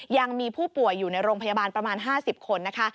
ยังมีผู้ป่วยอยู่ในโรงพยาบาลประมาณ๕๐คนนะคะ